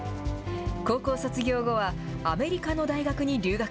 高校卒業後は、アメリカの大学に留学。